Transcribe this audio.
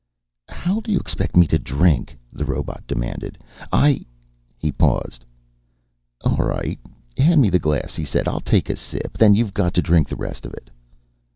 "How do you expect me to drink?" the robot demanded. "I " He paused. "All right, hand me the glass," he said. "I'll take a sip. Then you've got to drink the rest of it."